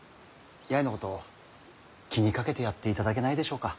八重のこと気にかけてやっていただけないでしょうか。